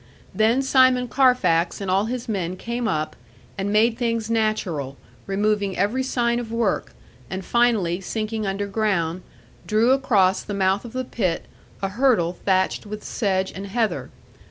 Then Simon Carfax and all his men came up, and made things natural, removing every sign of work; and finally, sinking underground, drew across the mouth of the pit a hurdle thatched with sedge and heather.